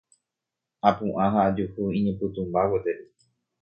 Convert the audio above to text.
Apu'ã ha ajuhu iñipytũmba gueteri.